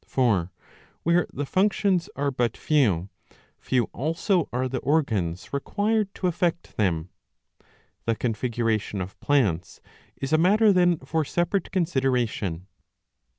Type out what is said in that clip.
For, where the functions are but few, few also are the organs required to effect them.^ The configuration of plants is a matter then for separate consideration.